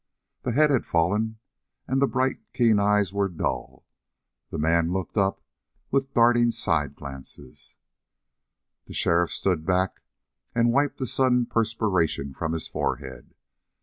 The head had fallen, and the bright, keen eyes were dull. The man looked up with darting side glances. The sheriff stood back and wiped a sudden perspiration from his forehead.